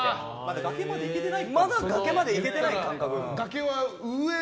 まだ崖まで行けていないんです。